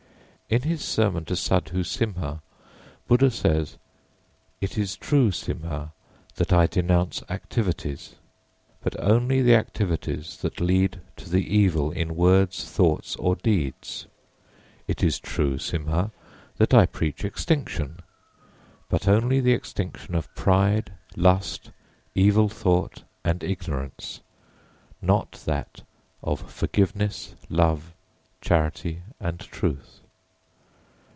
In his sermon to Sádhu Simha Buddha says, _It is true, Simha, that I denounce activities, but only the activities that lead to the evil in words, thoughts, or deeds. It is true, Simha, that I preach extinction, but only the extinction of pride, lust, evil thought, and ignorance, not that of forgiveness, love, charity, and truth.